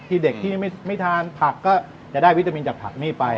เด็กที่ไม่ทานผักก็จะได้วิตามินจากผักนี่ไป